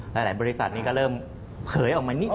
หลายบริษัทนี้ก็เริ่มเผยออกมานิดน